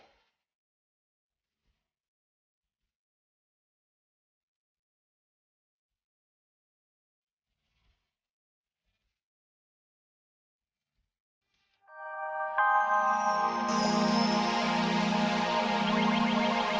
sampai jumpa di video selanjutnya